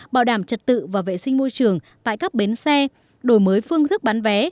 bảo đảm trật tự và vệ sinh môi trường tại các bến xe đổi mới phương thức bán vé